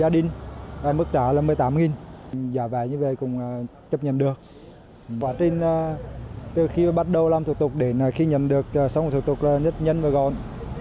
từ khi bắt đầu làm thủ tục đến khi nhận được xong thủ tục nhân và gọn